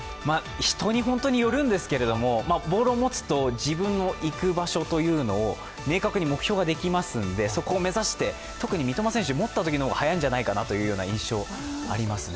人に本当によるんですけれどもボールを持つと、自分の行く場所、明確に目標ができますので、そこを目指して、特に三笘選手、持ったときの方が速いんじゃないかなという印象がありますね。